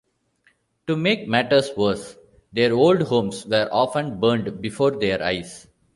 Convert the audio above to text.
To make matters worse, their old homes were often burned before their eyes.